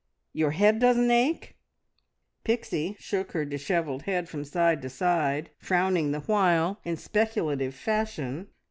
Your head doesn't ache?" Pixie shook her dishevelled head from side to side, frowning the while in speculative fashion.